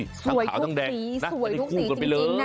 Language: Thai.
สวยทุกสีสวยทุกสีจริงนะจะได้คู่กันไปเลย